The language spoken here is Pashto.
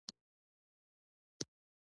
که ګاونډي ته دعا کوې، تا ته به فرښتې دعا کوي